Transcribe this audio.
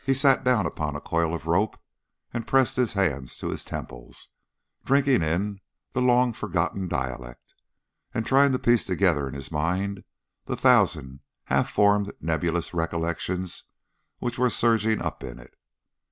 He sat down upon a coil of rope and pressed his hands to his temples, drinking in the long forgotten dialect, and trying to piece together in his mind the thousand half formed nebulous recollections which were surging up in it.